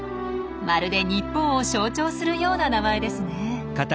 まるで日本を象徴するような名前ですね。